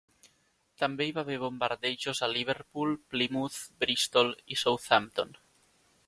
També hi va haver bombardejos a Liverpool, Plymouth, Bristol i Southampton.